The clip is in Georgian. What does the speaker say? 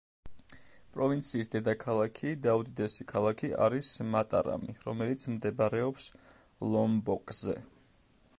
პროვინციის დედაქალაქი და უდიდესი ქალაქი არის მატარამი, რომელიც მდებარეობს ლომბოკზე.